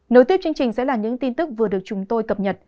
nối tiếp chương trình sẽ là những tin tức vừa được chúng tôi cập nhật